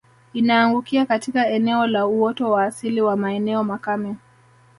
Inaangukia katika eneo la uoto wa asili wa maeneo makame